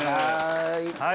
はい。